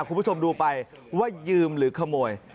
คุณผู้ชมดูไปว่ายืมหรือขโมย